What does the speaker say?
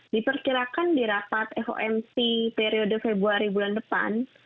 diperkirakan di rapat homc periode februari bulan depan